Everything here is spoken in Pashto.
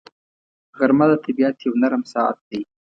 غرمه د طبیعت یو نرم ساعت دی